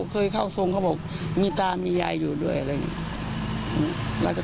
เคยเข้าทรงเขาบอกมีตามียายอยู่ด้วยอะไรอย่างนี้